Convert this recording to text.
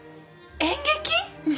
演劇！？